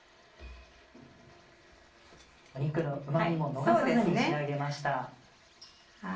肉のうま味も逃さずに仕上げました。